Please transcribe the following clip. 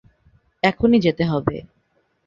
এখনই যেতে হবে।